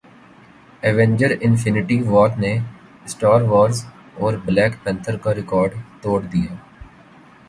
Avenger Infinity وارنے Star Wars اور Black Panther کاریکارڈ توڑدیا